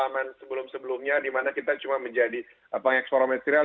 pengalaman sebelum sebelumnya di mana kita cuma menjadi penghasil raw material